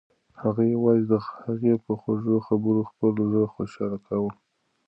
هغه یوازې د هغې په خوږو خبرو خپل زړه خوشحاله کاوه.